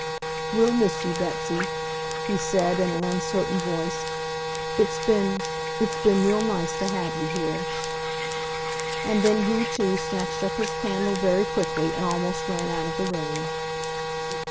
"We'll miss you, Betsy," he said in an uncertain voice. "It's been ... it's been real nice to have you here ..." And then he too snatched up his candle very quickly and almost ran out of the room.